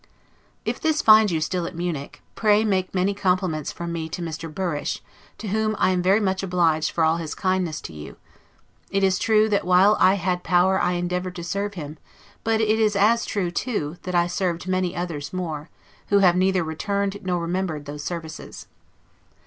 If this finds you still at Munich, pray make many compliments from me to Mr. Burrish, to whom I am very much obliged for all his kindness to you; it is true, that while I had power I endeavored to serve him; but it is as true too, that I served many others more, who have neither returned nor remembered those services.